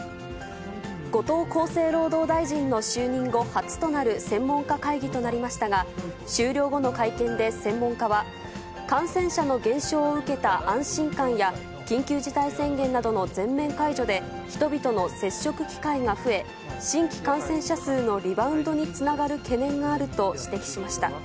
後藤厚生労働大臣の就任後、初となる専門家会議となりましたが、終了後の会見で専門家は、感染者の減少を受けた安心感や、緊急事態宣言などの全面解除で、人々の接触機会が増え、新規感染者数のリバウンドにつながる懸念があると指摘しました。